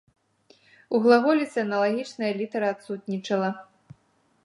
У глаголіцы аналагічная літара адсутнічала.